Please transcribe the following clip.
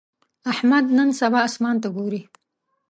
احمد نن سبا اسمان ته ګوري.